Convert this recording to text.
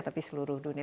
tapi seluruh dunia